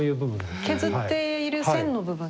あ削っている線の部分。